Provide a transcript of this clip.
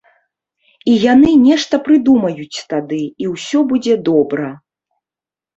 І яны нешта прыдумаюць тады, і ўсё будзе добра.